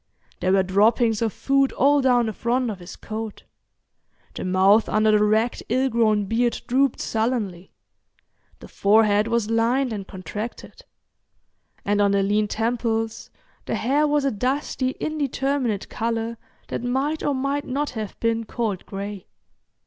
There were droppings of food all down the front of his coat; the mouth under the ragged ill grown beard drooped sullenly; the forehead was lined and contracted; and on the lean temples the hair was a dusty indeterminate colour that might or might not have been called gray.